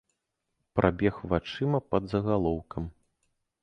Прабег вачыма пад загалоўкам.